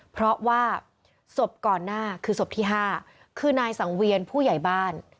เพราะว่าศพก่อนหน้าคือศพที่๕คือนายสังเวียนผู้ใหญ่บ้าน